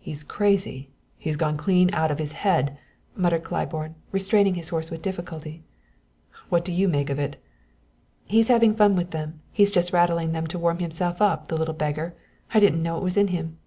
"He's crazy he's gone clean out of his head!" muttered Claiborne, restraining his horse with difficulty. "What do you make of it?" "He's having fun with them. He's just rattling them to warm himself up the little beggar. I didn't know it was in him."